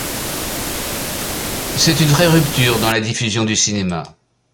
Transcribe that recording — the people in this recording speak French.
C'est une vraie rupture dans la diffusion du cinéma.